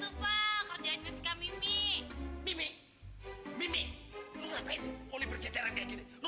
emangnya juga mau jadi bengkel